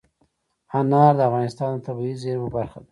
انار د افغانستان د طبیعي زیرمو برخه ده.